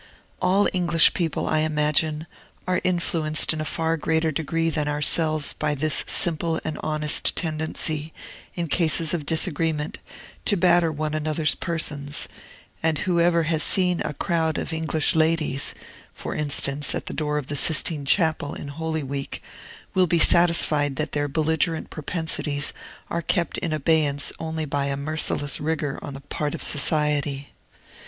All English people, I imagine, are influenced in a far greater degree than ourselves by this simple and honest tendency, in cases of disagreement, to batter one another's persons; and whoever has seen a crowd of English ladies (for instance, at the door of the Sistine Chapel, in Holy Week) will be satisfied that their belligerent propensities are kept in abeyance only by a merciless rigor on the part of society.